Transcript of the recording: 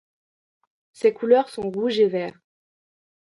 Ses couleurs sont rouge et vert.